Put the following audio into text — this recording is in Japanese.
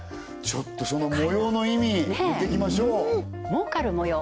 ちょっとその模様の意味見てきましょう儲かる模様